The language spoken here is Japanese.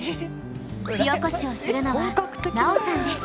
火おこしをするのは奈緒さんです。